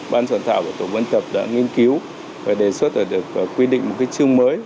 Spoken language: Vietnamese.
ban soạn thảo của tổ quân tập đã nghiên cứu và đề xuất và quy định một chương mới